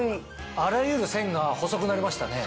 あらゆる線が細くなりましたね。